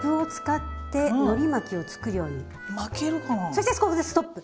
そしてここでストップ！